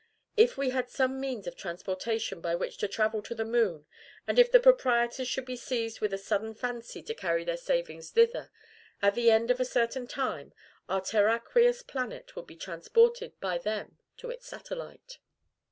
If we had some means of transportation by which to travel to the moon, and if the proprietors should be seized with a sudden fancy to carry their savings thither, at the end of a certain time our terraqueous planet would be transported by them to its satellite!